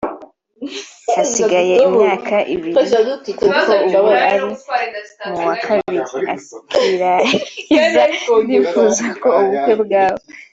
hasigaye imyaka ibiri kuko ubu ari mu wa Kabiri […] akirangiza ndifuza ko ubukwe bwaba